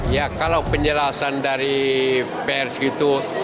ya kalau penjelasan dari pers itu